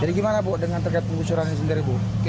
jadi gimana bu dengan terkait pengusurannya sendiri bu